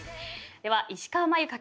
では石川真佑×